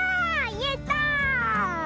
やった！